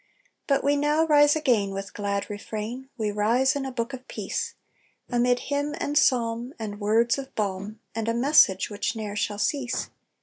But we now rise again with glad refrain, We rise in a book of peace, Amid hymn and psalm, and words of balm, And a message which ne'er shall cease.